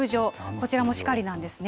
こちらもしかりなんですね。